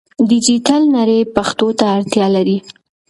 ډیجیټل نړۍ پښتو ته اړتیا لري.